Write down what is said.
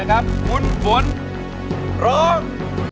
คุณฝนร้อง